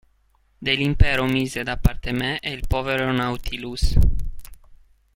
Dell'Impero mise da parte me e il povero Nautilus.